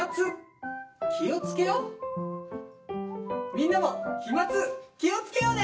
みんなも飛まつ気をつけようね！